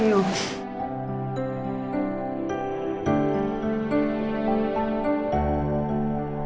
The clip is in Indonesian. kau mau dateng pak